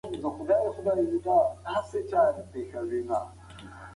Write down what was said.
په نسلونو کي ګډوډي پیدا سوه.